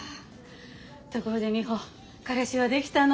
ところでミホ彼氏はできたの？